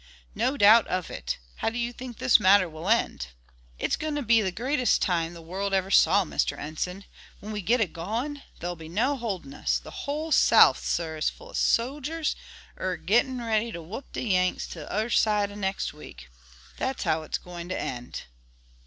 "No doubt of it; how do you think this matter will end?" "It's goin' to be the greatest time the world ever saw, Mr. Enson. When we git a goin' thar'll be no holdin' us. The whole South, sah, is full of sodjers, er gittin' ready to whup the Yanks t'uther side of nex' week. That's how it's goin' to end."